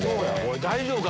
大丈夫か？